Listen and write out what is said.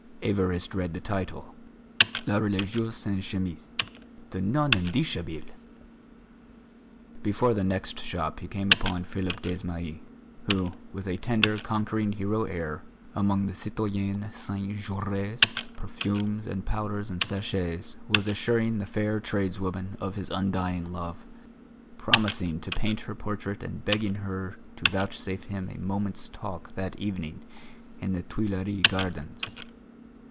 Évariste read the title: "La Religieuse en chemise," "The Nun in dishabille!" Before the next shop he came upon Philippe Desmahis, who, with a tender, conquering hero air, among the citoyenne Saint Jorre's perfumes and powders and sachets, was assuring the fair tradeswoman of his undying love, promising to paint her portrait and begging her to vouchsafe him a moment's talk that evening in the Tuileries gardens.